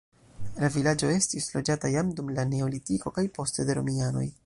La vilaĝo estis loĝata jam dum la neolitiko kaj poste de romianoj.